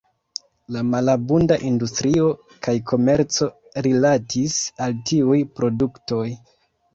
La malabunda industrio kaj komerco rilatis al tiuj produktoj.